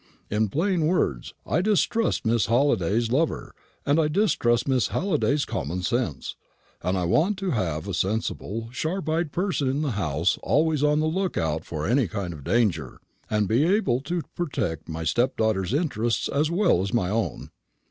In plain words, I distrust Miss Halliday's lover, and I distrust Miss Halliday's common sense; and I want to have a sensible, sharp eyed person in the house always on the look out for any kind of danger, and able to protect my stepdaughter's interests as well as my own."